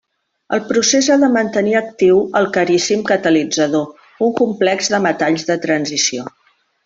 El procés ha de mantenir actiu el caríssim catalitzador, un complex de metalls de transició.